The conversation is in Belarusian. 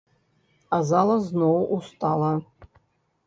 А зала зноў устала.